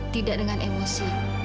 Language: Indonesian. tidak dengan emosi